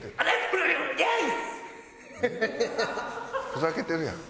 ふざけてるやん。